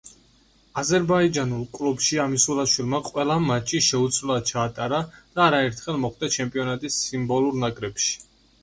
აზერბაიჯანულ კლუბში ამისულაშვილმა ყველა მატჩი შეუცვლელად ჩაატარა და არაერთხელ მოხვდა ჩემპიონატის სიმბოლურ ნაკრებში.